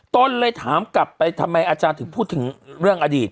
ตนเลยถามกลับไปทำไมอาจารย์ถึงพูดถึงเรื่องอดีต